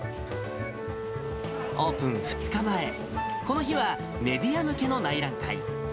オープン２日前、この日はメディア向けの内覧会。